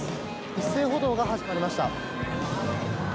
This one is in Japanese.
一斉補導が始まりました。